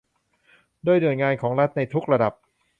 โดยหน่วยงานของรัฐในทุกระดับ